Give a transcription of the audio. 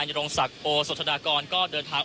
คุณทัศนาควดทองเลยค่ะ